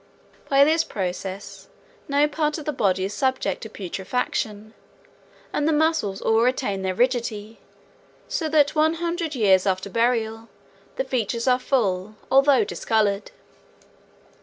By this process no part of the body is subject to putrefaction and the muscles all retain their rigidity, so that one hundred years after burial the features are full, although discolored.